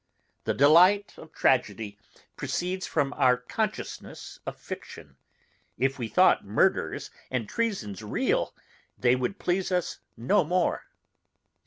The delight of tragedy proceeds from our consciousness of fiction; if we thought murders and treasons real, they would please no more.